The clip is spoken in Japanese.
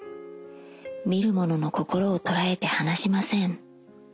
見る者の心を捉えて離しません。